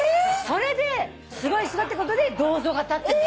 それですごいってことで銅像が建ってるんだって。